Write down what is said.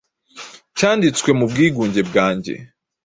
cyanditswe mu bwigunge bwanjye.